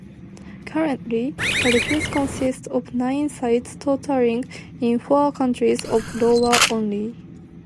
Currently, the refuge consists of nine sites totaling in four counties of Iowa only.